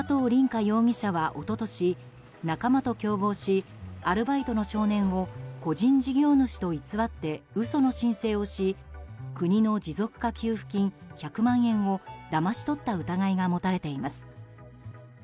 凛果容疑者は一昨年仲間と共謀しアルバイトの少年を個人事業主と偽って嘘の申請をし国の持続化給付金１００万円をだまし取った疑いが持たれています。